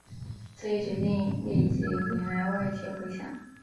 这一决定立即引来外界回响。